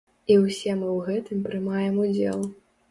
І ўсе мы ў гэтым прымаем удзел.